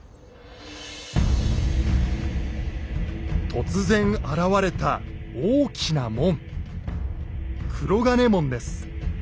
突然現れた大きな門。